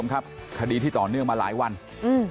ครับคดีที่ต่อเนื่องมาหลายวันอืม